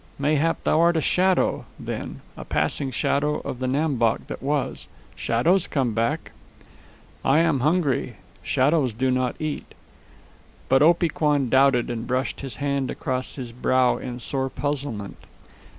"Mayhap thou art a shadow, then, a passing shadow of the Nam Bok that was. Shadows come back." "I am hungry. Shadows do not eat." But Opee Kwan doubted, and brushed his hand across his brow in sore puzzlement.